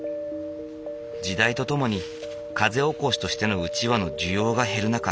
時代とともに風起こしとしてのうちわの需要が減る中